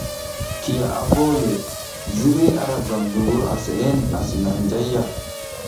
Kiya a bole le ziriy a ra gam dungur a seʼe asi nang njayya.